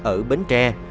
ở bến tre